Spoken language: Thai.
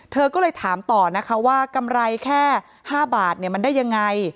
เธอก็เลยถามต่อนะคะว่ากำไรแค่๕บาทมันได้ยังไง